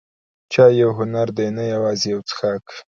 چای یو هنر دی، نه یوازې یو څښاک.